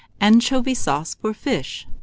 ANCHOVY SAUCE FOR FISH. 362.